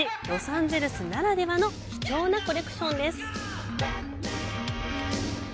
ロサンゼルスならではの貴重なコレクションです。